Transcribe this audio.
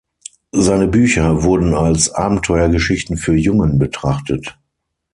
Seine Bücher wurden als Abenteuergeschichten für Jungen betrachtet.